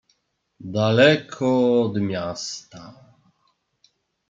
"Daleko od miasta..."